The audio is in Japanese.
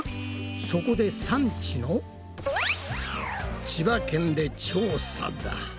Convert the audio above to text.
そこで産地の千葉県で調査だ。